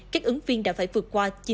các ứng viên đã phải vượt qua